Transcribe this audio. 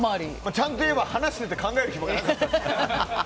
ちゃんと言えば話していて考える暇がなくて。